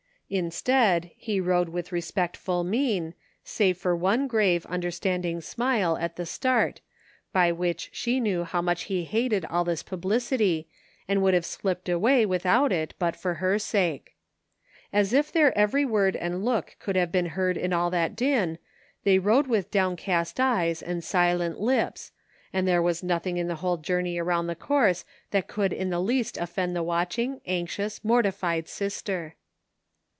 Instead he rode with respectful mien, save for one grave, understanding smile at the start, by which she knew how much he hated all this publicity and would have slipped away without it but for her sake. As if their every word and look could have been heard in all that din, they rode with downcast eyes and silent lips, and there was nothing in the whole journey arotmd the course that could in the least offend the watdiing, anxious, mortified sister.